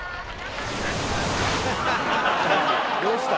どうした？